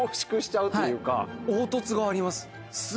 凹凸があります